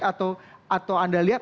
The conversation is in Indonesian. atau anda lihat